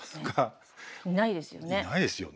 いないですよね。